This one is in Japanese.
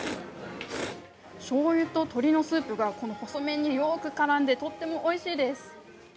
しょうゆと鶏のスープがこの細麺によく絡んで、とってもおいしいです。